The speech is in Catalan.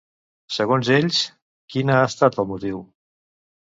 Segons ells, quin ha estat el motiu?